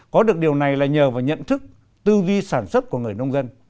có được điều này là nhờ vào nhận thức tư duy sản xuất của người nông dân